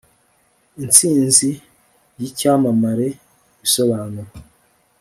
intsinzi y'icyamamare (ibisobanuro